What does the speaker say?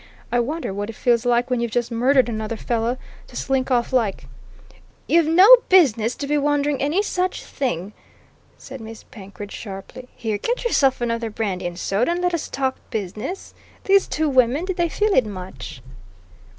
I wonder what it feels like when you've just murdered another fellow, to slink off like " "You've no business to be wondering any such thing!" said Miss Penkridge sharply. "Here get yourself another brandy and soda, and let us talk business. These two women did they feel it much?"